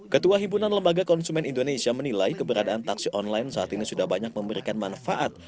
ketua himpunan lembaga konsumen indonesia menilai keberadaan taksi online saat ini sudah banyak memberikan manfaat